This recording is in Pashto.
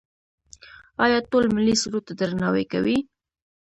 آیا ټول ملي سرود ته درناوی کوي؟